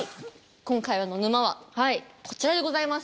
今回の沼はこちらでございます。